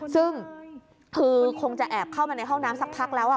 ซึ่งคือคงจะแอบเข้ามาในห้องน้ำสักพักแล้ว